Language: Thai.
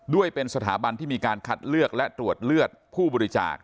ด้วยเป็นสถาบันที่มีการคัดเลือกและตรวจเลือดผู้บริจาค